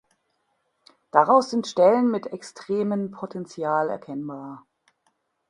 Daraus sind Stellen mit extremen Potential erkennbar.